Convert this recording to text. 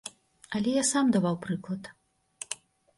Але я сам даваў прыклад.